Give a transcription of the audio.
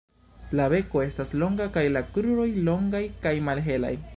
La beko estas longa kaj la kruroj longaj kaj malhelaj.